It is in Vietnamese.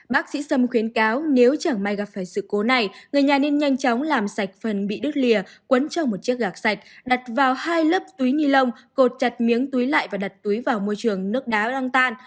bác sĩ sâm khuyến cáo nếu chẳng may gặp phải sự cố này người nhà nên nhanh chóng làm sạch phần bị đứt lìa quấn trong một chiếc gạc sạch đặt vào hai lớp túi ni lông cột chặt miếng túi lại và đặt túi vào môi trường nước đá răng tan